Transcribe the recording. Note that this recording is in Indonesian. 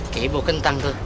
kayaknya mau kentang tuh